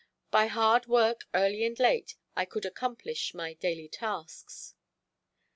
By hard work early and late I could accomplish my daily tasks.